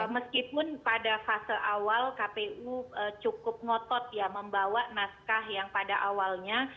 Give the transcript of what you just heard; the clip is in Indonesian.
meskipun pada fase awal kpu cukup ngotot ya membawa naskah yang pada awalnya